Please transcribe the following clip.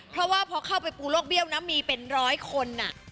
เพราะว่าพอเข้าไปปูโลกเบี้ยวนะมีเป็นร้อยคน